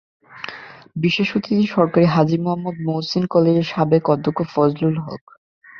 বিশেষ অতিথি সরকারি হাজী মুহম্মদ মুহসীন কলেজের সাবেক অধ্যক্ষ ফজলুল হক।